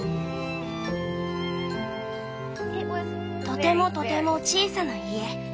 「とてもとても小さな家。